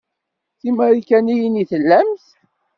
D timarikaniyin i tellamt?